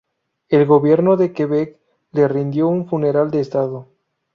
El gobierno de Quebec le rindió un funeral de estado.